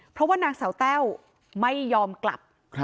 เพราะว่านางสาวแต้วไม่ยอมกลับ